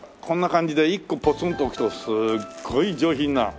こんな感じで一個ポツンと置くとすっごい上品な。